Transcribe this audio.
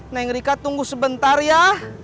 neng rika tunggu sebentar ya